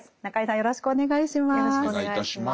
よろしくお願いします。